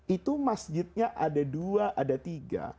itu masjidnya ada dua ada tiga